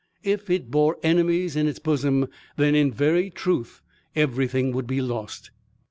If it bore enemies in its bosom, then in very truth everything would be lost.